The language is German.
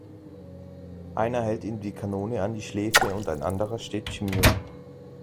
Einer hält ihm die Kanone an die Schläfe und ein anderer steht Schmiere.